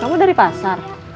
kamu dari pasar